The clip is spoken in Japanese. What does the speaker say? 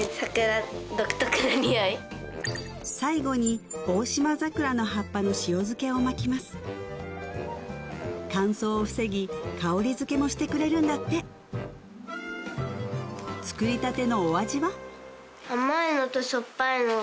最後にオオシマザクラの葉っぱの塩漬けを巻きます乾燥を防ぎ香りづけもしてくれるんだって作りたてのお味は？